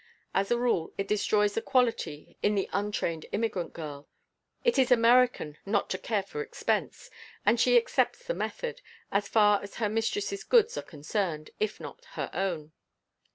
As a rule it destroys the quality in the untrained immigrant girl. It is American not to care for expense and she accepts the method as far as her mistress' goods are concerned if not her own.